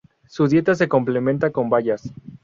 Su dieta se complementa con bayas.